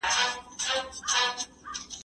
زه پرون ليکنه وکړه!؟